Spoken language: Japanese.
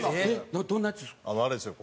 どんなやつですか？